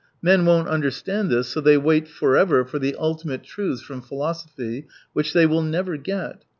Men won't understand this, so they wait forever for the ultimate truths from philosophy, which they will never get.